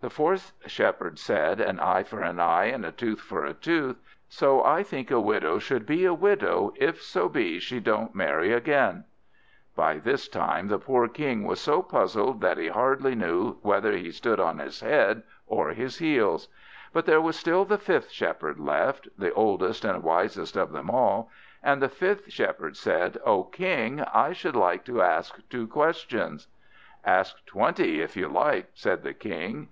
The fourth Shepherd said, "An eye for an eye, and a tooth for a tooth; so I think a widow should be a widow, if so be she don't marry again." By this time the poor King was so puzzled that he hardly knew whether he stood on his head or his heels. But there was still the fifth Shepherd left, the oldest and wisest of them all; and the fifth Shepherd said "O King, I should like to ask two questions." "Ask twenty, if you like," said the King.